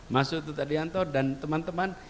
mas utut adianto dan teman teman